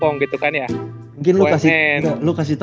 enggak begitu enak white